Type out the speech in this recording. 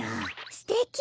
すてき！